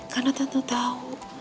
karena tante tahu